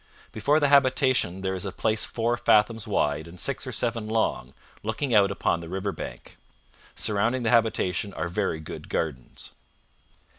Before the habitation there is a place four fathoms wide and six or seven long, looking out upon the river bank. Surrounding the habitation are very good gardens.'